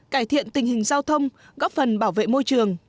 cải thiện tình hình giao thông góp phần bảo vệ môi trường